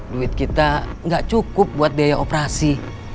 duit kita nggak cukup buat biaya operasi